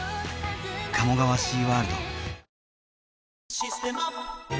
「システマ」